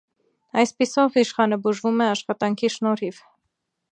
Այսպիսով, իշխանը բուժվում է աշխատանքի շնորհիվ։